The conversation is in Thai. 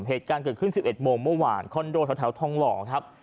เหตุการณ์เกิดขึ้น๑๑โมงเมื่อวานคอนโดแถวทองหล่อครับ